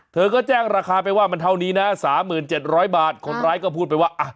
เธอก็แจ้งราคาไปว่ามันเท่านี้นะ๓๗๐๐บาทคนร้ายก็พูดไปว่า